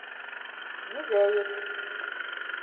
Йөҙәйек.